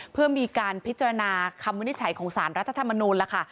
เพื่อมีการพิจารณาคำวินิจฉัยของสารรัฐธรรมนูลล่ะค่ะ